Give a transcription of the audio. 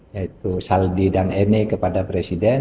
yaitu saldi dan ene kepada presiden